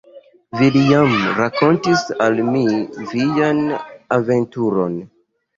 Villiam rakontis al mi vian aventuron.